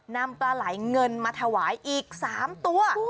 นำปลาไหลเงินมาถวายอีก๓ตัว